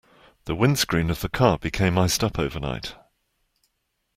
The windscreen of the car became iced up overnight.